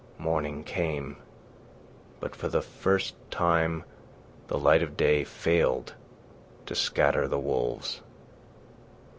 Morning came, but for the first time the light of day failed to scatter the wolves.